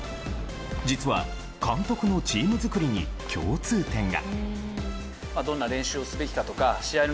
実は、監督のチーム作りに共通点が。